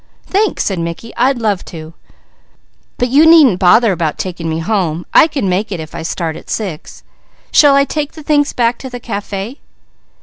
"Thanks," said Mickey. "I'd love to, but you needn't bother about taking me home. I can make it if I start at six. Shall I take the things back to the café?"